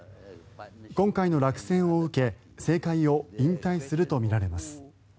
今回の落選を受け政界を引退するとみられます。